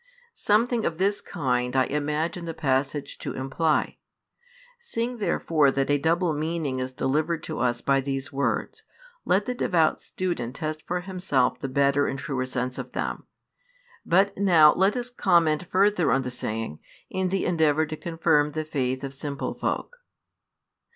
Something of this kind I imagine the passage to imply. Seeing therefore that a double meaning is delivered to us by these words, let the devout student test for himself the better and truer sense of them: but now let us comment further on the saying, in the endeavour to confirm the faith of simple folk.